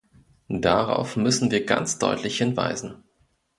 Darauf müssen wir ganz deutlich hinweisen.